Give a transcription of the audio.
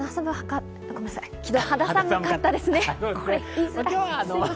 昨日、肌寒かったですね。